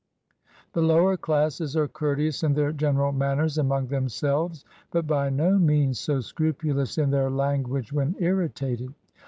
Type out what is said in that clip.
The lower classes are courteous in their general manners among themselves, but by no means so scrupulous in their language when irritated.